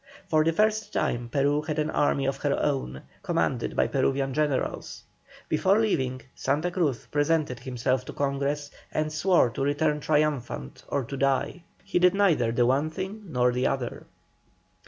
For the first time Peru had an army of her own, commanded by Peruvian generals. Before leaving, Santa Cruz presented himself to Congress and swore to return triumphant or to die. He did neither the one thing nor the other.